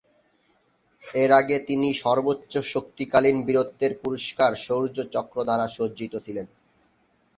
এর আগে তিনি তৃতীয় সর্বোচ্চ শান্তিকালীন বীরত্বের পুরস্কার শৌর্য চক্র দ্বারা সজ্জিত ছিলেন।